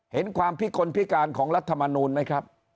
เห็นความพิกลพิการของรัฐมนูลไหมครับ